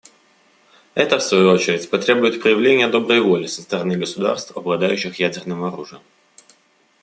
Это, в свою очередь, потребует проявления доброй воли со стороны государств, обладающих ядерным оружием.